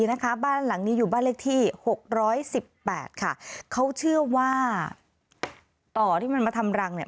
ที่หกร้อยสิบแปดค่ะเขาเชื่อว่าต่อที่มันมาทำรังเนี้ย